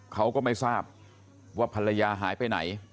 เขาก็ไม่ทราบว่าภรรยาหายไปไหน